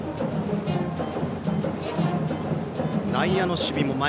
内野の守備も前。